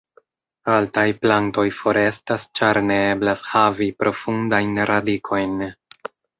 Altaj plantoj forestas ĉar ne eblas havi profundajn radikojn.